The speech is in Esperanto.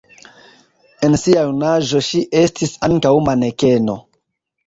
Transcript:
En sia junaĝo ŝi estis ankaŭ manekeno.